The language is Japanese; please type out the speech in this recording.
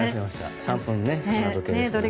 ３分砂時計ですけど。